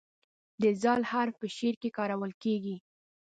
د "ذ" حرف په شعر کې کارول کیږي.